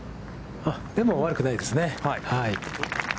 でも、悪くないですね。